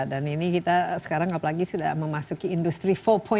ini kita sekarang apalagi sudah memasuki industri empat